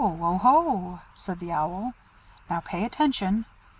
oohoo!" said the Owl. "Now pay attention.